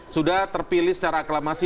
sudah terpilih secara aklamasi